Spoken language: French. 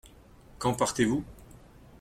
Quand partez-vous ?